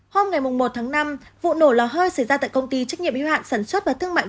hôm ngày một năm vụ nổ lò hơi xảy ra tại công ty trách nhiệm y hoạn sản xuất và thương mại